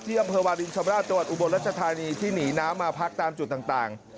เยี่ยมเผอร์วาลินชาวบ้านตรวจอุบลรัชธานีที่หนีน้ำมาพักตามจุดต่าง